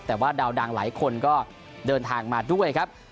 แต่ว่าดาวดังหลายคนก็เดินทางมาด้วยครับ